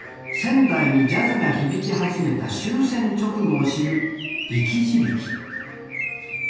仙台にジャズが響き始めた終戦直後を知る生き字引